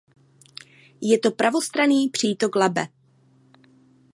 Je to pravostranný přítok Labe.